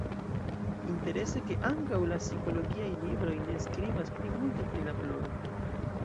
Interese, ke ankaŭ la psikologiaj libroj ne skribas pli multe pri la ploro.